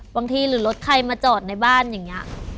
หรือรถใครมาจอดในบ้านอย่างนี้